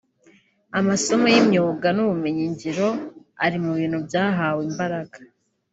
amasomo y’imyuga n’ubumenyi ngiro ari mu bintu byahawe imbaraga